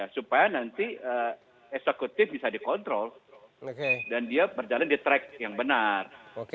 supaya nanti eksekutif bisa dikontrol dan dia berjalan di track yang benar